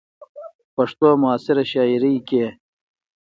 ،پښتو معاصره شاعرۍ کې